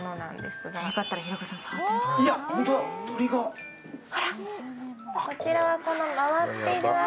よかったら平子さん、触ってみてください。